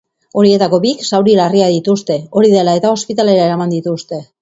Horietako bik zauri larriak dituzte, hori dela eta, ospitalera eraman dituzte.